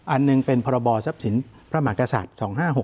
อันหนึ่งเป็นพรบทรัพย์สินพระมหากษัตริย์๒๕๖๖